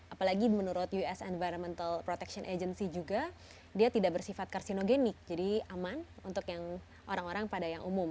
apalagi menurut us environmental protection agency juga dia tidak bersifat karsinogenik jadi aman untuk yang orang orang pada yang umum